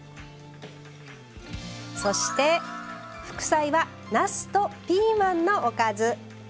そして、副菜はなすとピーマンのおかず。